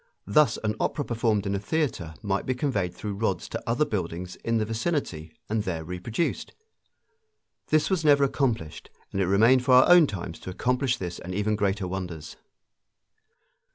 Thus an opera performed in a theater might be conveyed through rods to other buildings in the vicinity and there reproduced. This was never accomplished, and it remained for our own times to accomplish this and even greater wonders.